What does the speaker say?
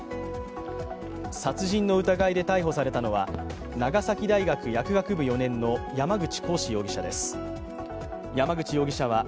殺人の疑いで逮捕されたのは長崎大学薬学部４年の山口鴻志容疑者です。